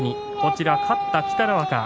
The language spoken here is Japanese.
勝った北の若。